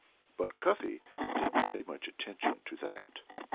But Cuffy didn't pay much attention to that.